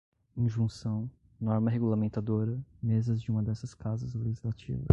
injunção, norma regulamentadora, mesas de uma dessas casas legislativas